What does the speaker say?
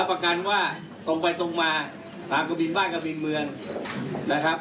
ประกันว่าตรงไปตรงมาตามกะบินบ้านกะบินเมืองนะครับ